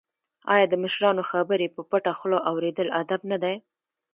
آیا د مشرانو خبرې په پټه خوله اوریدل ادب نه دی؟